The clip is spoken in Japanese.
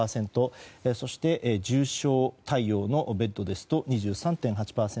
そして、重症対応のベッドですと２３．８％。